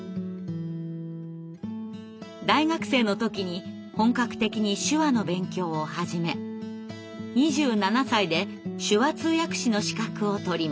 大学生の時に本格的に手話の勉強を始め２７歳で手話通訳士の資格を取りました。